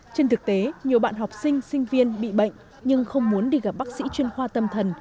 trên thực tế nhiều bạn học sinh sinh viên bị bệnh nhưng không muốn đi gặp bác sĩ chuyên khoa tâm thần